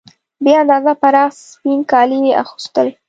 بې اندازې پراخ سپین کالي یې اغوستل.